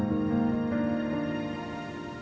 kita mampir makan dulu